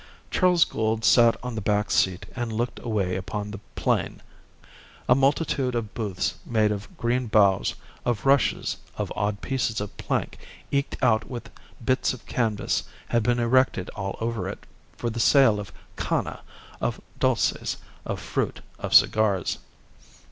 Charles Gould sat on the back seat and looked away upon the plain. A multitude of booths made of green boughs, of rushes, of odd pieces of plank eked out with bits of canvas had been erected all over it for the sale of cana, of dulces, of fruit, of cigars.